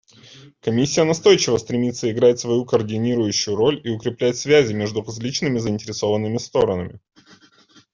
Комиссия настойчиво стремится играть свою координирующую роль и укреплять связи между различными заинтересованными сторонами.